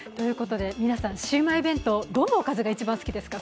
皆さん、シウマイ弁当、どのおかずが一番好きですか。